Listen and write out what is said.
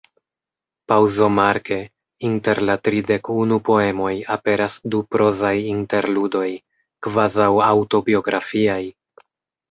Paŭzomarke, inter la tridek unu poemoj aperas du prozaj interludoj, kvazaŭ aŭtobiografiaj.